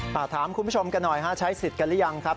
ถามคุณผู้ชมกันหน่อยฮะใช้สิทธิ์กันหรือยังครับ